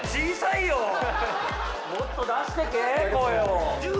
もっと出してけ声を！